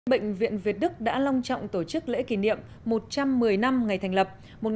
bệnh viện việt đức đã long trọng tổ chức lễ kỷ niệm một trăm một mươi năm ngày thành lập một nghìn chín trăm linh sáu hai nghìn một mươi sáu